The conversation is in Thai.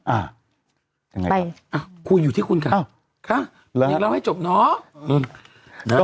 อ่ะยังไงไปอ่ะคุยอยู่ที่คุณกันอ้าวค่ะแล้วแล้วให้จบเนาะอืม